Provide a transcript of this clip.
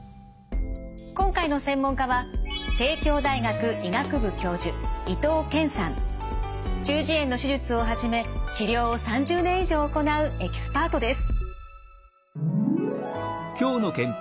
今回の専門家は中耳炎の手術をはじめ治療を３０年以上行うエキスパートです。